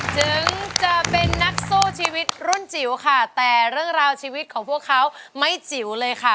ถึงจะเป็นนักสู้ชีวิตรุ่นจิ๋วค่ะแต่เรื่องราวชีวิตของพวกเขาไม่จิ๋วเลยค่ะ